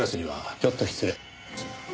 ちょっと失礼。